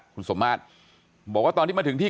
คุณสมมาตรบอกว่าตอนที่มาถึงที่